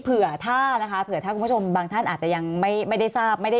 เผื่อถ้าคุณผู้ชมบางท่านอาจจะยังไม่ได้ทราบ